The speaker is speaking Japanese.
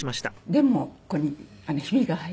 でもここにひびが入って。